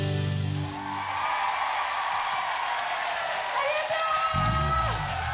ありがとう！